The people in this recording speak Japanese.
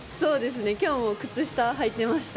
今日も靴下を履いてました。